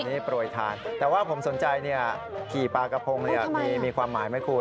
อันนี้โปรยทานแต่ว่าผมสนใจขี่ปลากระพงมีความหมายไหมคุณ